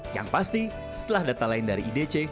yang pasti setelah data lain dari idc